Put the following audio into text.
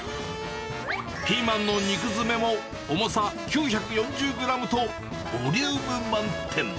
ピーマンの肉詰めも、重さ９４０グラムと、ボリューム満点。